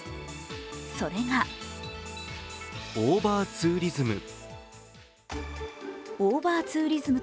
それが、オーバーツーリズム。